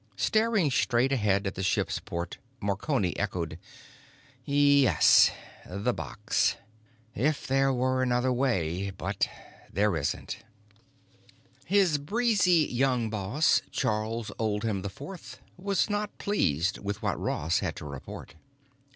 '" Staring straight ahead at the ship's port Marconi echoed: "Yes. 'The box.' If there were another way—but there isn't." His breezy young boss, Charles Oldham IV, was not pleased with what Ross had to report.